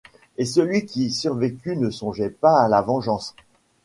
Et celui qui survécut ne songeait pas à la vengeance.